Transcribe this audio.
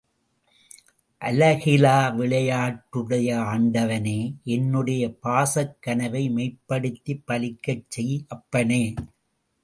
அலகிலா விளையாட்டுடைய ஆண்டவனே! –என்னுடைய பாசக்கனவை மெய்ப்படுத்திப் பலிக்கச் செய், அப்பனே!?